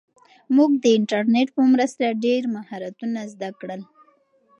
موږ د انټرنیټ په مرسته ډېر مهارتونه زده کړل.